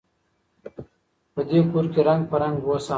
په دې کورکي رنګ په رنګ وه سامانونه